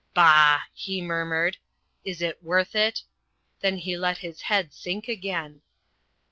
'Bah!' he murmured, 'Is it worth it?' Then he let his head sink again."